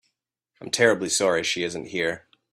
I'm terribly sorry she isn't here.